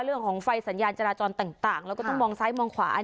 เรื่องของไฟสัญญาณจราจรต่างแล้วก็ต้องมองซ้ายมองขวา